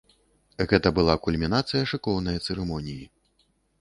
Гэта была кульмінацыя шыкоўнае цырымоніі.